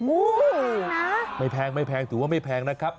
ไม่แพงไม่แพงถือว่าไม่แพงนะครับ